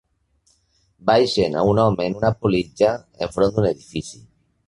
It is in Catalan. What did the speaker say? Baixen a un home en una politja enfront d'un edifici